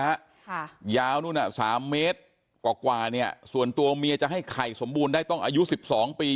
ค่ะยาวนู่นอ่ะสามเมตรกว่ากว่าเนี้ยส่วนตัวเมียจะให้ไข่สมบูรณ์ได้ต้องอายุสิบสองปี